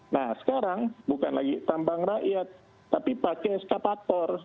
nah sekarang bukan lagi tambang rakyat tapi pakai eskapator